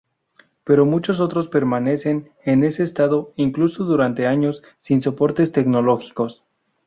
Pero muchos otros permanecen en ese estado, incluso durante años, sin soportes tecnológicos.